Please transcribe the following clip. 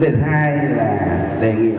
chúng ta phải hủy động lực lượng